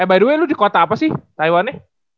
eh by the way lu di kota apa sih taiwan nya